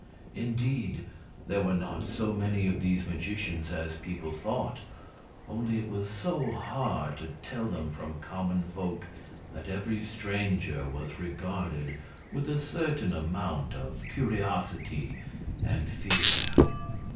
Indeed, there were not so many of these magicians as people thought, only it was so hard to tell them from common folk that every stranger was regarded with a certain amount of curiosity and fear.